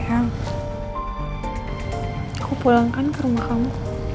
yang aku pulangkan ke rumah kamu